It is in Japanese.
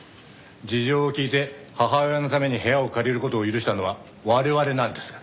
事情を聞いて母親のために部屋を借りる事を許したのは我々なんですから。